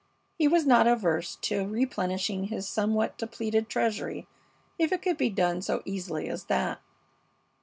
He was not averse to replenishing his somewhat depleted treasury if it could be done so easily as that.